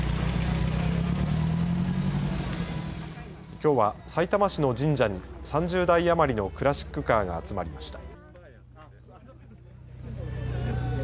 きょうは、さいたま市の神社に３０台余りのクラシックカーが集まりました。